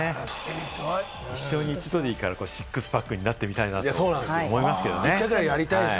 一生に一度でいいからシックスパックになってみたいなと思いますよね。